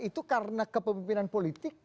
itu karena kepemimpinan politik